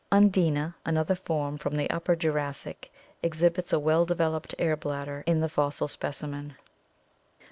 Undina, another form from the Upper Jurassic, exhibits a well developed air bladder in the fossil specimen.